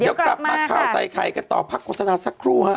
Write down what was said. เดี๋ยวกลับมาข่าวใส่ไข่กันต่อพักโฆษณาสักครู่ฮะ